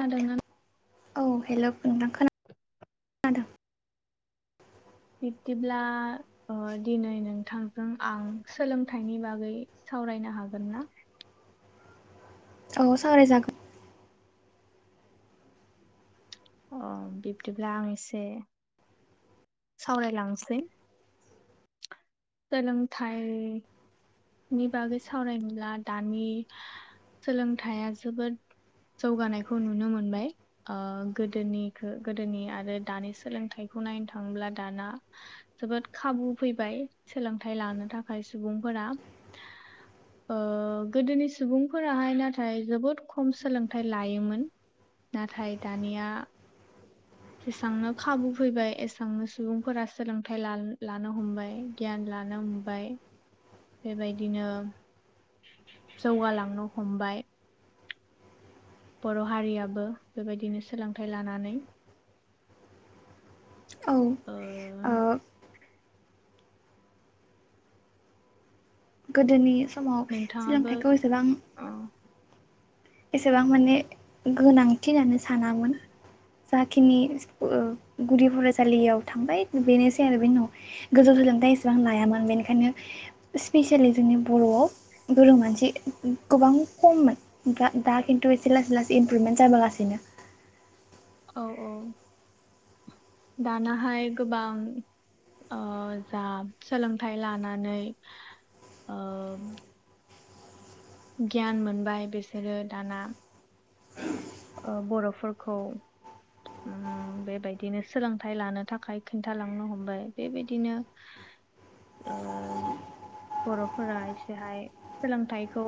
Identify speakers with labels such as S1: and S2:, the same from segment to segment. S1: ादों
S2: औ हेल' नोंथां खोन
S1: बि्दिब्ला ओ दिनै नोंथांजों आं सोलोंथाइनि बागै सावरायनो हागोन ना
S2: औ सांगराय जागोन
S1: अ बिब्दिब्ला आं एसे सावरायलांसै सोलोंथाइ थायो नि बागै सावरायनोब्ला दानि सोलोंथाइया जोबोद जौगानायखौ नुनो मोनबाय ओ गोदोनिखौ गोदोनि आरो दानि सोलोंथाइखौ नायनो थाङोब्ला दाना जोबोद खाबु फैबाय सोलोंथाइ लानो थाखाय सुबुंफोरा ओ गोदोनि सुबुंफोराहाय नाथाय जोबोद खम सोलोंथाइ लायोमोन नाथाय दानिया जेसेबांनो खाबु फैबाय एसेबांनो सुबुंफोरा सोलोंथाइ लानो हमबाय गियान लानो हबाय बेबायदिनो जौगालांनो हमबाय बर' हारियाबो बेबायदिनो सोलोंथाइ लानानै ओ
S2: औ गोदोनि समाव
S1: नोंथाङाबो
S2: सोलोंथाइखौ एसेबां
S1: औ
S2: एसेबां माने गोनांथि होननानै सानामोन जाखिनि गुदि फरायसालियाव थांबाय बेनोसै आरो बे उनाव गोजौ सोलोंथायाइ इसेबां लायामोन बेनिखायनो स्पेसेयेलि जोंनि बर'आव गोरों मानसि गोबां खममोन दा दा खिन्थु एसे लासै लासै इमप्रुभेन्ट जाबोगासिनो
S1: औ औ दानाहाय गोबां ओ जा सोलोंथाइ लानानैओ गियान मोनबाय बिसोरो दाना बर'फोरखौ बेबायदिनो सोलोंथाइ लानो थाखाय खिन्थालांनो हमबाय बेबायदिनो ओ बर'फोरा एसेहाय सोलोंथाइखौ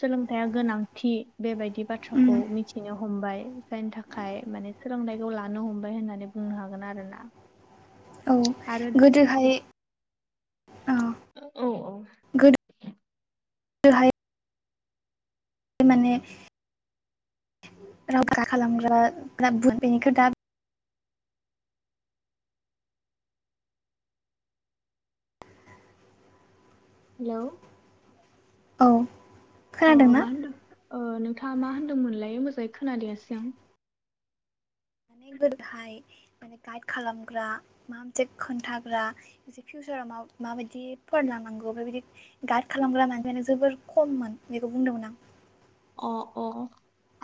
S1: सोलोंथायाइया गोनांथि बेबायदि
S2: उम
S1: बाथ्राखौ मिथि [unintelligible] हमबाय जायनि थाखाय माने सोलोंथाइखौ लानो हमबाय होननानै बुंनो हागोन आरो ना।
S2: औ गोदोहाय
S1: औ औ
S2: गोदो [unintelligible] [inaudible]
S1: हेल'
S2: औ
S1: अ
S2: खोनादोंना
S1: मा होनदों नोंथाङा मा होनदोंमोनलाय मोजाङै खोनादयाासै आं
S2: मान गोदाय माने गाइड खालामग्रा माबा मोनसे खोन्थाग्रा माखा फिउचाराव मा माबायदि फरायलांनांगौ बेफोरबायदि गार्ड खालामग्रा मानसियानो जोबोर खममोन बेखौ बुंदोंमोन आं।
S1: अ अ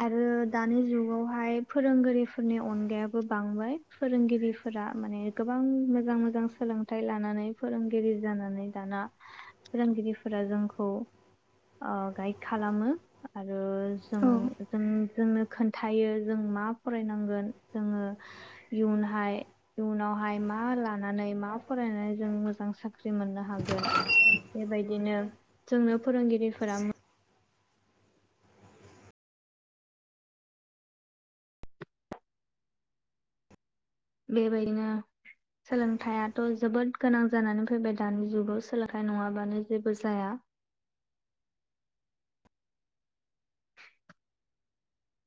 S1: आरो दानि जुगावहाय फोरोंगिरिफोरनि अनगायाबो बांबाय। फोरोंगिरिफोरा माने गोबां मोजां मोजां सोलोंथाइ लानानै फोरोंगिरि जानानै दाना फोरोंगिरिफोरा जोंखौ अ गाइड खालामो। आरो जों
S2: औ
S1: जों जोंनो खोन्थायो जों मा फरायनांगोन जोङो इयुनहाय इयुनावहाय मा लानानै मा फरायनानै जों मोजां साख्रि मोननो हागोन। बेबायदिनो जोंनो फोरोंगिरिफोरा बेबायदिनो सोलोंथाइयाथ' जोबोद गोनां जानानै फैबाय दानि जुगाव सोलोंथाइ नङाबानो जेबो जाया।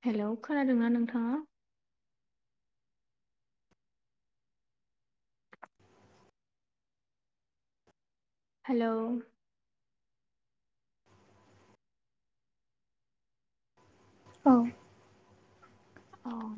S1: हेल' खोनादोंना नोंथाङा? हेल'
S2: औ
S1: औ